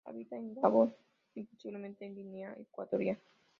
Habita en Gabón y posiblemente Guinea Ecuatorial.